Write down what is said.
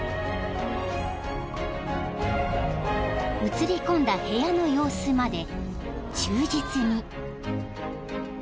［写り込んだ部屋の様子まで忠実に］